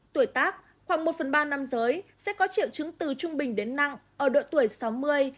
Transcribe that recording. tuổi tác hoặc một phần ba nam giới sẽ có triệu chứng từ trung bình đến nặng ở độ tuổi sáu mươi